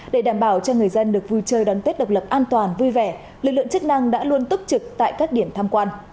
để đảm bảo cho người dân được vui chơi đón tết độc lập an toàn vui vẻ lực lượng chức năng đã luôn tức trực tại các điểm tham quan